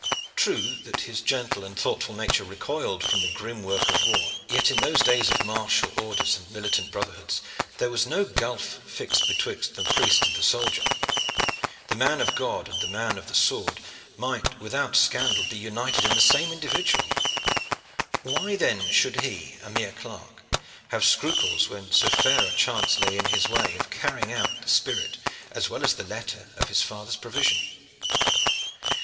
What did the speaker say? True that his gentle and thoughtful nature recoiled from the grim work of war, yet in those days of martial orders and militant brotherhoods there was no gulf fixed betwixt the priest and the soldier. The man of God and the man of the sword might without scandal be united in the same individual. Why then should he, a mere clerk, have scruples when so fair a chance lay in his way of carrying out the spirit as well as the letter of his father's provision.